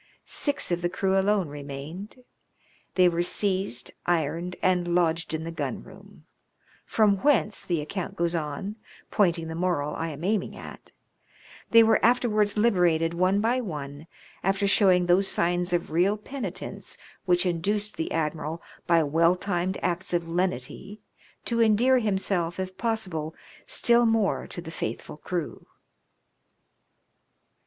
Six of the crew alone remained ; they were seized, ironed, and lodged in the gun room, "from whence," the account goes on, pointing the moral I am aiming at, " they were afterwards liberated one by one, after showing those signs of real penitence which induced the admiral, by well timed acts of lenity, to endear himself, if possible, still more to a faithful crew."